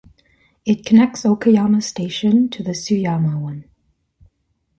It connects Okayama station to the Tsuyama one.